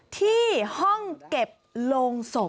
ที่ห้องเก็บโรงศพ